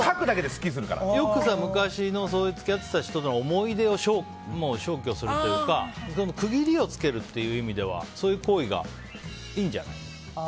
昔付き合ってた人の思い出を消去するというか区切りをつけるという意味ではそういう行為がいいんじゃない？